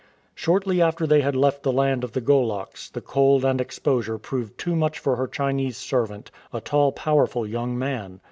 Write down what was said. Shortly after they had left the land of the Goloks the cold and exposure proved too much for her Chinese servant, a tall, powerful young man.